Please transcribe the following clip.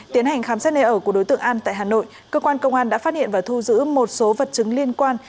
tiến hành khám xét nơi ở của đối tượng an tại hà nội cơ quan công an đã phát hiện và thu giữ một số vật chứng liên quan